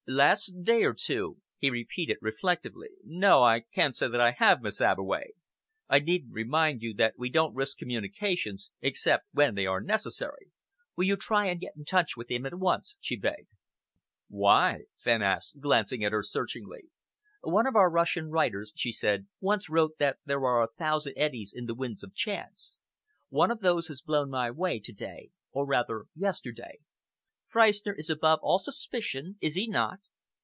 "Last day or two?" he repeated reflectively. "No, I can't say that I have, Miss Abbeway. I needn't remind you that we don't risk communications except when they are necessary." "Will you try and get into touch with him at once?" she begged. "Why?" Fenn asked, glancing at her searchingly. "One of our Russian writers," she said, "once wrote that there are a thousand eddies in the winds of chance. One of those has blown my way to day or rather yesterday. Freistner is above all suspicion, is he not?"